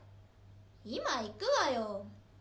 ・今行くわよ。